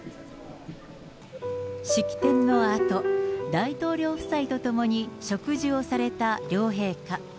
式典のあと、大統領夫妻と共に植樹をされた両陛下。